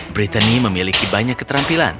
brittany memiliki banyak keterampilan